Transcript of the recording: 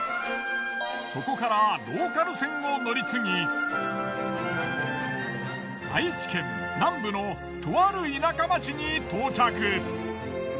そこからローカル線を乗り継ぎ愛知県南部のとある田舎町に到着。